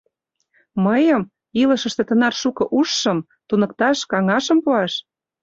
Мыйым, илышыште тынар шуко ужшым, туныкташ, каҥашым пуаш...